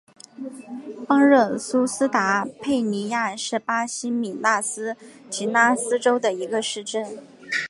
邦热苏斯达佩尼亚是巴西米纳斯吉拉斯州的一个市镇。